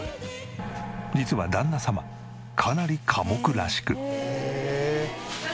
実は旦那様かなり寡黙らしく。